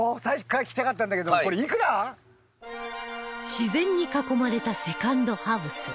自然に囲まれたセカンドハウス